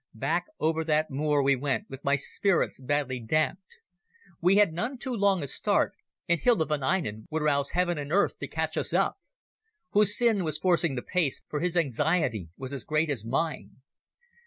Back over that moor we went with my spirits badly damped. We had none too long a start, and Hilda von Einem would rouse heaven and earth to catch us up. Hussin was forcing the pace, for his anxiety was as great as mine.